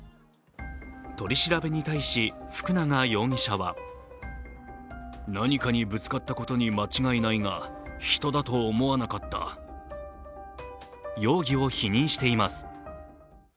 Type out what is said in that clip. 取り調べに対し、福永容疑者は容疑を否認しています。